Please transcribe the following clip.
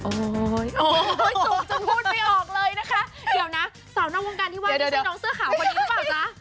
โอ้โหสูงจนพูดไม่ออกเลยนะคะเดี๋ยวนะสาวนอกวงการที่ว่านี่ใช่น้องเสื้อขาวคนนี้หรือเปล่าจ๊ะ